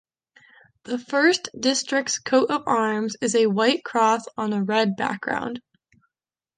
The first district's coat of arms is a white cross on a red background.